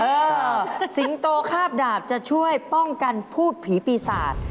เออสิงโตคาบดาบจะช่วยป้องกันพูดผีปีศาจ